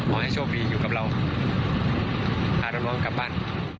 ขอให้โชคดีอยู่กับเราพาน้องกลับบ้าน